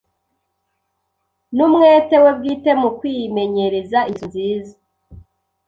n’umwete we bwite mu kwimenyereza ingeso nziza